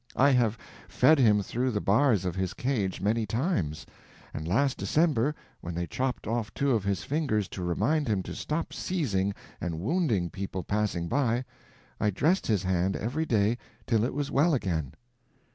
I have fed him through the bars of his cage many times; and last December, when they chopped off two of his fingers to remind him to stop seizing and wounding people passing by, I dressed his hand every day till it was well again."